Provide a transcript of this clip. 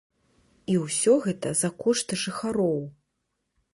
І ўсё гэта за кошт жыхароў.